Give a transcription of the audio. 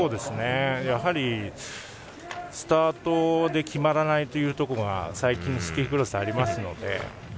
やはりスタートで決まらないというところが最近スキークロスはありますので。